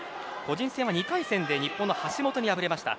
個人戦は１回戦で日本の橋本に敗れました。